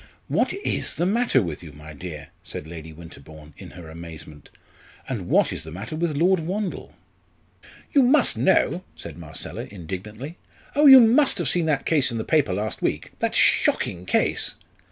"What is the matter with you, my dear?" said Lady Winterbourne in her amazement; "and what is the matter with Lord Wandle?" "You must know!" said Marcella, indignantly. "Oh, you must have seen that case in the paper last week that shocking case!